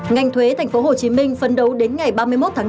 ngành thuế thành phố hồ chí minh phấn đấu đến ngày ba mươi một tháng năm